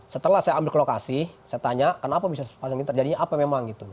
setelah saya ambil ke lokasi saya tanya kenapa bisa pasangin terjadinya apa memang gitu